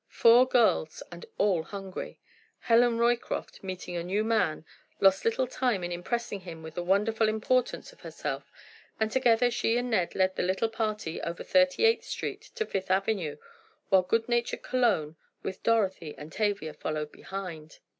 Four girls and all hungry! Helen Roycroft, meeting a new man, lost little time in impressing him with the wonderful importance of herself, and together she and Ned led the little party over Thirty eighth Street to Fifth Avenue, while good natured Cologne, with Dorothy and Tavia, followed behind.